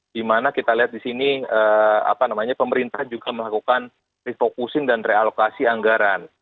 dimana kita lihat disini pemerintah juga melakukan refocusing dan realokasi anggaran